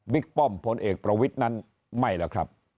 บิ๊กป้อมพลเอกประวิทธิ์นั้นไม่เหรอครับ